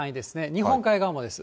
日本海側もです。